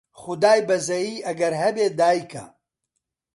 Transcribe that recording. خودای بەزەیی ئەگەر هەبێ دایکە